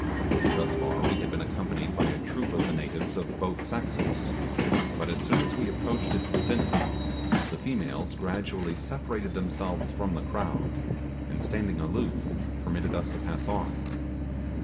Thus far we had been accompanied by a troop of the natives of both sexes; but as soon as we approached its vicinity, the females gradually separated themselves from the crowd, and standing aloof, permitted us to pass on.